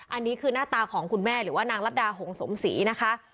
อันนี้คือหน้าตาของคุณแม่หรือว่านางรัฐดาหงสมศรีนะคะ